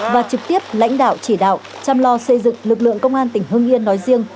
và trực tiếp lãnh đạo chỉ đạo chăm lo xây dựng lực lượng công an tỉnh hưng yên nói riêng